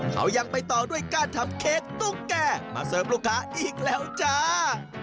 เขายังไปต่อด้วยการทำเค้กตุ๊กแก่มาเสริมลูกค้าอีกแล้วจ้า